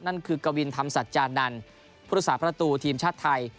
นั่นคือกวินธรรมสัจจานันต์พุทธศาสตร์พระตูทีมชาติไทย